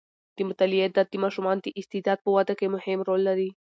د مطالعې عادت د ماشومانو د استعداد په وده کې مهم رول لري.